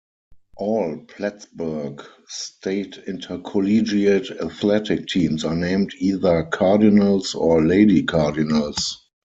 All Plattsburgh State intercollegiate athletic teams are named either Cardinals or Lady Cardinals.